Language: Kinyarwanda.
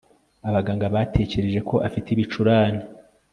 Abaganga batekereje ko afite ibicurane